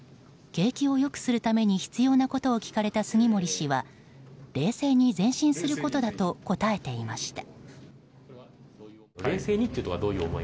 景気を良くするために必要なことを聞かれた杉森氏は冷静に前進することだと答えていました。